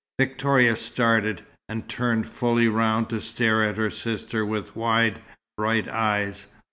Victoria started, and turned fully round to stare at her sister with wide, bright eyes.